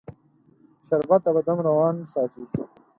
شربت د بدن روان ساتي